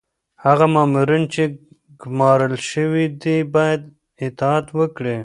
هغه مامورین چي ګمارل شوي دي باید اطاعت وکړي.